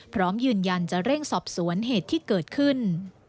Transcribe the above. พร้อมยืนยันจะเร่งสอบสวนเหตุที่เกิดขึ้น